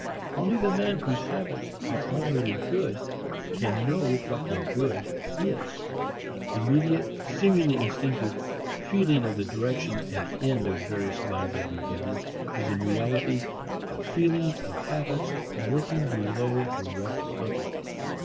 Only the man whose habits are already good can know what the good is. Immediate, seemingly instinctive, feeling of the direction and end of various lines of behavior is in reality the feeling of habits working below direct consciousness.